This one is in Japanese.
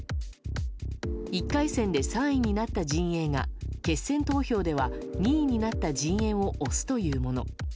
１回戦で３位になった陣営が決選投票では２位になった陣営を推すというもの。